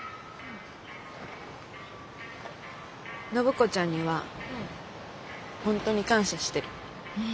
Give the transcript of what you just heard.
暢子ちゃんには本当に感謝してる。